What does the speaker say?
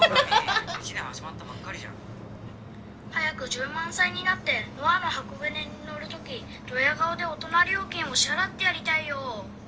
「早く１０万歳になってノアの箱舟に乗るときどや顔で大人料金を支払ってやりたいよ」。